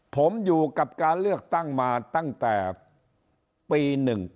ผมอยู่กับการเลือกตั้งมาตั้งแต่ปี๑๙